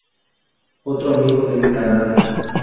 Otro amigo de Kanade.